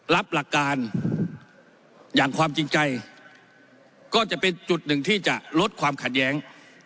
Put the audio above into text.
รับหลักการอย่างความจริงใจก็จะเป็นจุดหนึ่งที่จะลดความขัดแย้ง